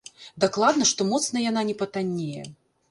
Дакладна, што моцна яна не патаннее.